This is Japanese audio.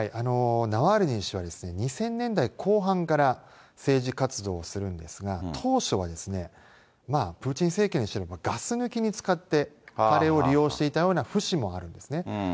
ナワリヌイ氏は、２０００年代後半から政治活動をするんですが、当初は、プーチン政権にしてみれば、ガス抜きに使って、彼を利用していたような節もあるんですね。